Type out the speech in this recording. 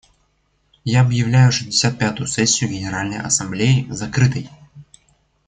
Я объявляю шестьдесят пятую сессию Генеральной Ассамблеи закрытой.